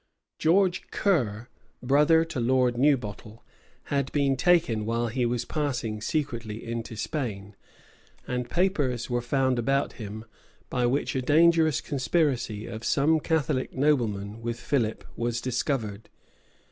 George Ker, brother to Lord Newbottle, had been taken while he was passing secretly into Spain; and papers were found about him, by which a dangerous conspiracy of some Catholic noblemen with Philip was discovered.